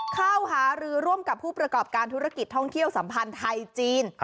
เข้าหารือร่วมกับผู้ประกอบการธุรกิจท่องเที่ยวสัมพันธ์ไทยจีน